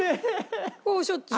ここしょっちゅう。